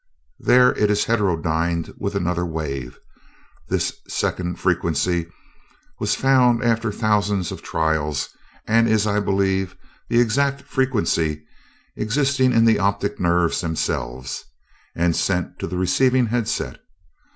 There it is heterodyned with another wave this second frequency was found after thousands of trials and is, I believe, the exact frequency existing in the optic nerves themselves and sent to the receiving headset.